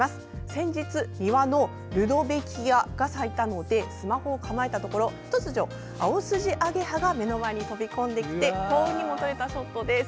先日庭のルドベキアが咲いたのでスマホを構えたところ突如、アオスジアゲハが目の前に飛び込んできて幸運にも撮れたショットです。